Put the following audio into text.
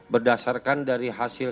berdasarkan dari hasil